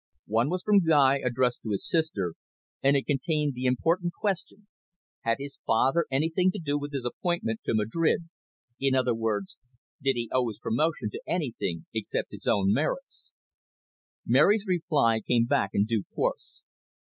One was from Guy addressed to his sister, and it contained the important question, had his father anything to do with his appointment to Madrid; in other words, did he owe his promotion to anything except his own merits? Mary's reply came back in due course.